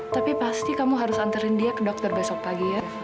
tapi pasti kamu harus antarin dia ke dokter besok pagi ya